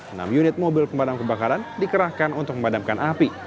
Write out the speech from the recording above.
enam unit mobil pemadam kebakaran dikerahkan untuk memadamkan api